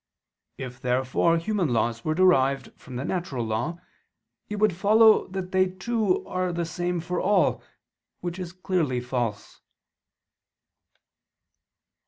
If therefore human laws were derived from the natural law, it would follow that they too are the same for all: which is clearly false.